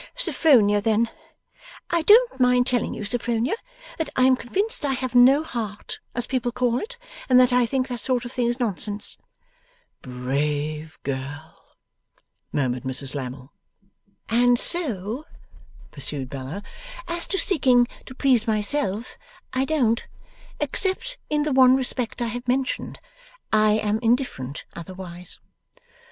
Sophronia then I don't mind telling you, Sophronia, that I am convinced I have no heart, as people call it; and that I think that sort of thing is nonsense.' 'Brave girl!' murmured Mrs Lammle. 'And so,' pursued Bella, 'as to seeking to please myself, I don't; except in the one respect I have mentioned. I am indifferent otherwise.